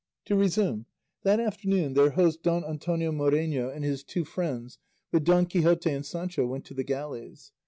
To resume; that afternoon their host Don Antonio Moreno and his two friends, with Don Quixote and Sancho, went to the galleys.